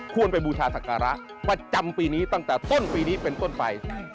ไปบูชาศักระประจำปีนี้ตั้งแต่ต้นปีนี้เป็นต้นไป